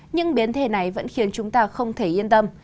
nhưng biến thể này vẫn khiến chúng ta không thể yên tâm